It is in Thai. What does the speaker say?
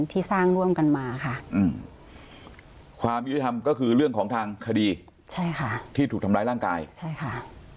ที่สร้างร่วมกันมาค่ะความยุติธรรมก็คือเรื่องของทางคดีใช่ค่ะที่ถูกทำร้ายร่างกายใช่ค่ะ